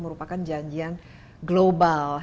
merupakan janjian global